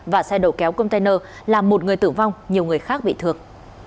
và xe đầu kéo container làm một người tử vong nhiều người khác bị thương